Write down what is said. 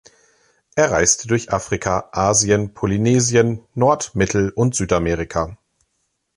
Er reiste durch Afrika, Asien, Polynesien, Nord-, Mittel- und Südamerika.